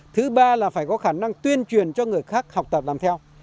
thứ ba là phải có khả năng tuyên truyền cho người khác học tập làm theo